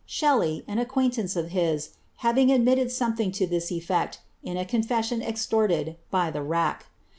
Shelly, an acquaintance of his, having admitted something to this effect, in a confession extorted by the rack.